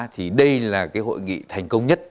thì đây là hội nghị thành công nhất